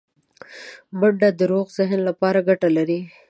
منډه د روغ ذهن لپاره ګټه لري